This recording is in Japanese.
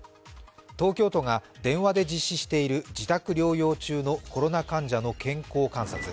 東京都が電話で実施している自宅療養中のコロナ患者の健康観察。